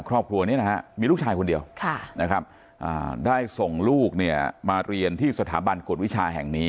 ครอบครัวนี้นะฮะมีลูกชายคนเดียวนะครับได้ส่งลูกเนี่ยมาเรียนที่สถาบันกฎวิชาแห่งนี้